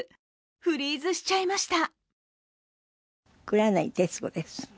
フリーズしちゃいました。